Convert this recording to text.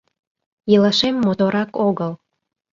Илышем моторак огыл.